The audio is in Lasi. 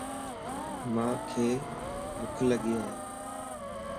مانک ڀک لڳي ائي